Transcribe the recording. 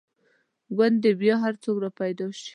ګوندې بیا یو څوک را پیدا شي.